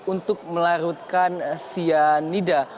untuk melarutkan cyanida